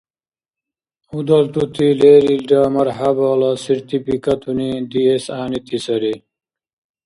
Удалтути лерилра мархӀябала сертификатуни диэс гӀягӀнити сари.